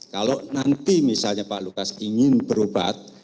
kalau nanti misalnya pak lukas ingin berobat